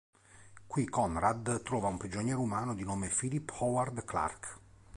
Qui Conrad trova un prigioniero umano di nome Phillip Howard Clark.